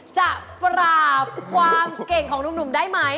จะปราบความเก่งของหนุ่มได้ไหม